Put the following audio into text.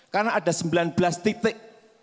karena ada sembilan belas titik